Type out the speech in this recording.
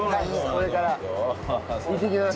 これから行ってきます。